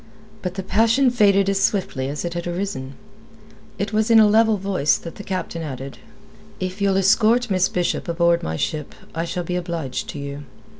But the passion faded as swiftly as it had arisen. It was in a level voice that the Captain added: "If you'll escort Miss Bishop aboard my ship, I shall be obliged to you.